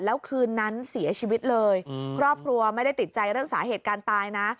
แล้วคืนนั้นเสียชีวิตเลยครอบครัวไม่ได้ติดใจเรื่องสาเหตุการณ์ตายนะ